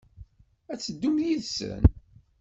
Ad teddum yid-sen?